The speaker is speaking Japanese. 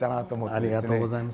ありがとうございます。